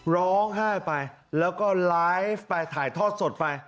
ร้องไห้ไปแล้วก็ไลฟ์ไปถ่ายทอดสดไป